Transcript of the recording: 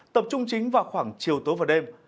tập trung chính vào khoảng chiều tối và đêm